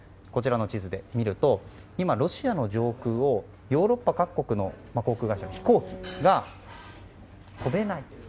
こちらの地図で見ると今ロシアの上空をヨーロッパ各国の航空会社の飛行機が飛べない。